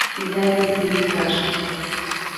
Изай дене еҥгажым